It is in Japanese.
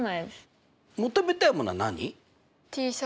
求めたいものは何？